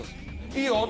「いいよ」。